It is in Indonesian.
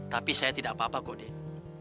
tapi saya tidak apa apa kok dik